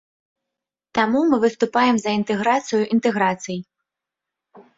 Таму мы выступаем за інтэграцыю інтэграцый.